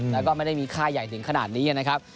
แล้วก็ไม่ได้มีค่าใหญ่ถึงขนาดนี้นะครับ